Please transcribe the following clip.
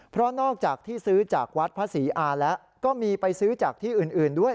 เพราะนอกจากที่ซื้อจากวัดพระศรีอาแล้วก็มีไปซื้อจากที่อื่นด้วย